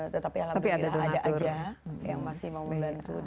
tetapi alhamdulillah ada aja yang masih mau membantu